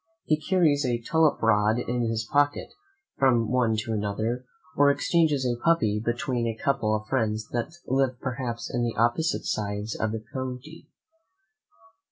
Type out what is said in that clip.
He carries a tulip root in his pocket from one to another, or exchanges a puppy between a couple of friends that live perhaps in the opposite sides of the county.